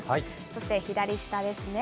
そして左下ですね。